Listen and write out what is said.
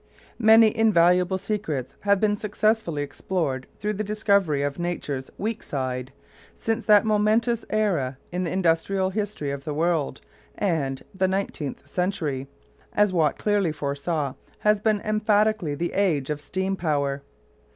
Many invaluable secrets have been successfully explored through the discovery of Nature's "weak side" since that momentous era in the industrial history of the world; and the nineteenth century, as Watt clearly foresaw, has been emphatically the age of steam power.